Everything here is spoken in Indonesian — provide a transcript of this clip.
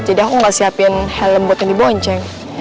jadi aku gak siapin helm buat yang dibonceng